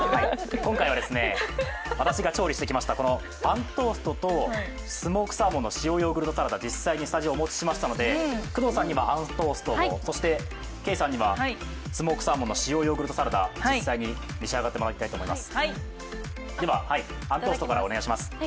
今回は、私が調理してきました、あんトーストとスモークサーモンの塩ヨーグルトサラダ、実際にスタジオにお持ちしましたので工藤さんにはあんトーストをケイさんにはスモークサーモンの塩ヨーグルトサラダを実際に召し上がってもらいたいと思います。